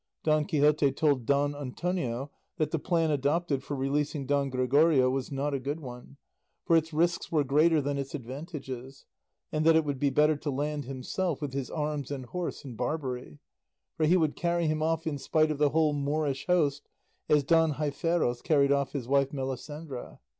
Don Quixote told Don Antonio that the plan adopted for releasing Don Gregorio was not a good one, for its risks were greater than its advantages, and that it would be better to land himself with his arms and horse in Barbary; for he would carry him off in spite of the whole Moorish host, as Don Gaiferos carried off his wife Melisendra.